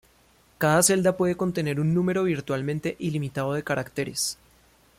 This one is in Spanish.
Cada celda puede contener un número virtualmente ilimitado de caracteres.